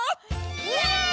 イエイ！